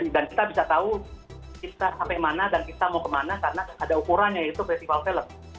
dan kita bisa tahu kita sampai mana dan kita mau kemana karena ada ukurannya yaitu festival film